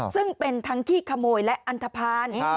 ซึ่งเป็นทั้งขี้ขโมยและอันทภาณ